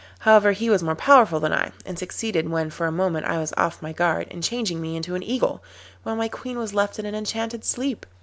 However, he was more powerful than I, and succeeded, when for a moment I was off my guard, in changing me into an Eagle, while my Queen was left in an enchanted sleep.